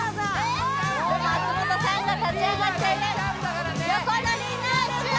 松本さんが立ち上がって横取りなるか？